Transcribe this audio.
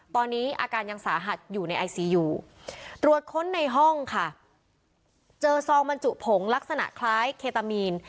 ตอนนี้อาการยังสาหัสอยู่ในไอซียูตรวจค้นในห้องค่ะเจอซองบรรจุผงลักษณะคล้ายเคตามีน